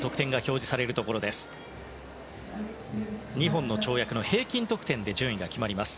２本の跳躍の平均得点で順位が決まります。